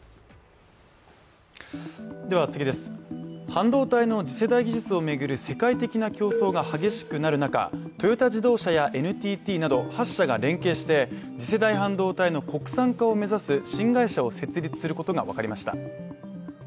半導体の次世代技術を巡る世界的な競争が激しくなる中、トヨタ自動車やＮＴＴなど８社が連携して、次世代半導体の国産化を目指す新会社を設立することが分かりました。